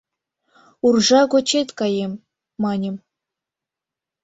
Уржа гочет каем, маньым, -